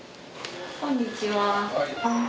こんにちは。